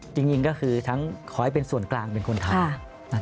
จริงก็คือทั้งขอให้เป็นส่วนกลางเป็นคนทำ